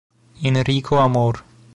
Enrico Amour.